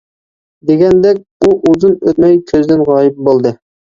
دېگەندەك، ئۇ ئۇزۇن ئۆتمەي كۆزدىن غايىب بولدى.